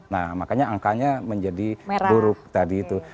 nah makanya angkanya menjadi buruk tadi itu